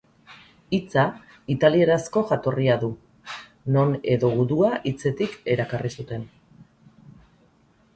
Hitza italierazko jatorria du, non edo gudua hitzetik erakarri zuten.